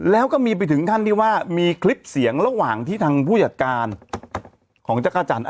แล้วก็มีไปถึงขั้นที่ว่ามีคลิปเสียงระหว่างที่ทางผู้จัดการของจักรจันทร์